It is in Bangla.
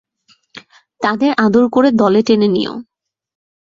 তাদের আদর করে দলে টেনে নিয়ে নিয়ো।